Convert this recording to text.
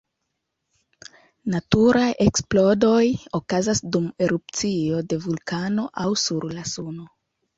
Naturaj eksplodoj okazas dum erupcio de vulkano aŭ sur la Suno.